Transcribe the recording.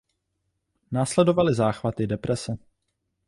Následovaly záchvaty deprese.